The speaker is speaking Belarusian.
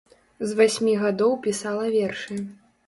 З васьмі гадоў пісала вершы.